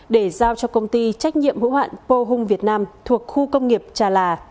để giao cho công ty trách nhiệm hữu hoạn pô hùng việt nam thuộc khu công nghiệp trà là